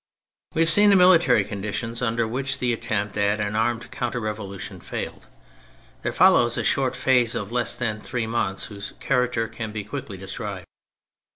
We have seen the military conditions under which the attempt at an armed counter revolution failed. There follows a short phase of less than three months, whose character can be quickly described.